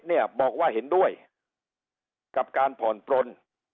เนี่ยบอกว่าเห็นด้วยกับการผ่อนปลน